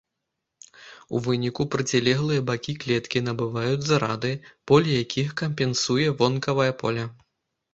У выніку процілеглыя бакі клеткі набываюць зарады, поле якіх кампенсуе вонкавае поле.